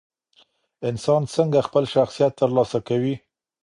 انسان څنګه خپل شخصیت ترلاسه کوي؟